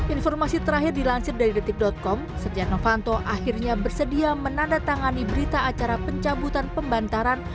informasi terakhir dilansir dari detik com setia novanto akhirnya bersedia menandatangani berita acara pencabutan pembantaran